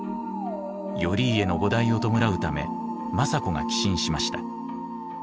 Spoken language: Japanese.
頼家の菩提を弔うため政子が寄進しました。